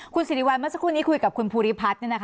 คุณสิริวัลเมื่อสักครู่นี้คุยกับคุณภูริพัฒน์